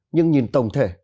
nhưng nhìn tổng thể